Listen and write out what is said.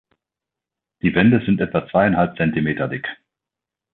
Die Wände sind etwa zweieinhalb Zentimeter dick.